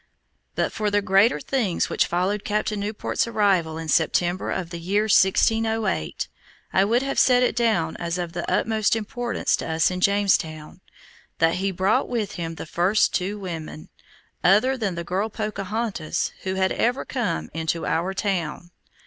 But for the greater things which followed Captain Newport's arrival in September of the year 1608, I would have set it down as of the utmost importance to us in Jamestown, that he brought with him the first two women, other than the girl Pocahontas, who had ever come into our town.